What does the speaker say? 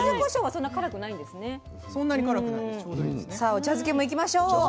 お茶漬けも行きましょう。